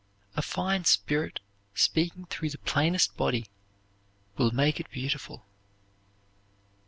A fine spirit speaking through the plainest body will make it beautiful.